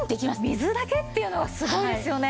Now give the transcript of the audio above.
水だけっていうのがすごいですよね！